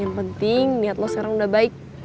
yang penting niat lo sekarang udah baik